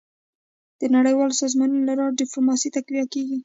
. د نړیوالو سازمانونو له لارې ډيپلوماسي تقویه کېږي.